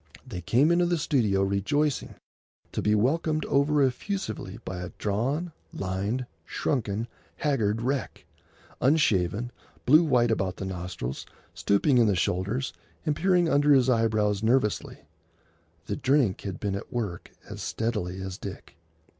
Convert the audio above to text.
They came into the studio, rejoicing, to be welcomed over effusively by a drawn, lined, shrunken, haggard wreck,—unshaven, blue white about the nostrils, stooping in the shoulders, and peering under his eyebrows nervously. The drink had been at work as steadily as Dick.